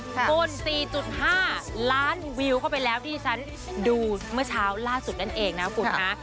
คุณ๔๕ล้านวิวเข้าไปแล้วที่ฉันดูเมื่อเช้าล่าสุดนั่นเองนะคุณนะ